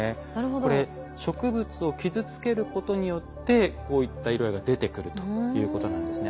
これ植物を傷つけることによってこういった色合いが出てくるということなんですね。